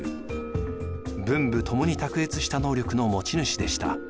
文武ともに卓越した能力の持ち主でした。